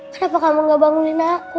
kenapa kamu gak bangunin aku